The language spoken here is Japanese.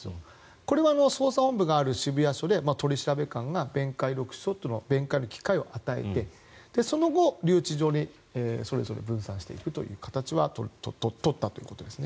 これは捜査本部がある渋谷署で取調官が弁解録取書という弁解の機会を与えてその後、留置場にそれぞれ分散していく形は取ったということですね。